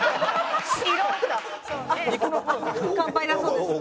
乾杯だそうです。